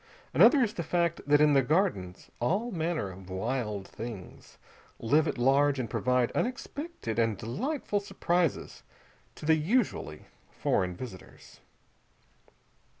Another is the fact that in the Gardens all manner of wild things live at large and provide unexpected and delightful surprises to the usually foreign visitors.